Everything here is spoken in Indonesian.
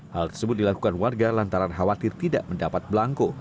hal tersebut dilakukan warga lantaran khawatir tidak mendapat belangko